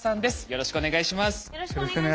よろしくお願いします。